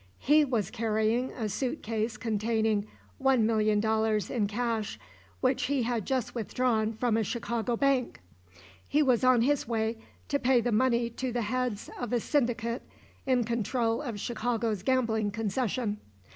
He was carrying a suitcase containing $1,000,000 in cash which he had just withdrawn from a Chicago bank. He was on his way to pay the money to the heads of a syndicate in control of Chicago's gambling concession.